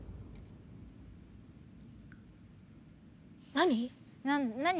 何？